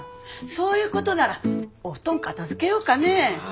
そういうことならお布団片づけようかね。